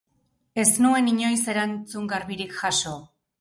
Ez nuen inoiz erantzun garbirik jaso.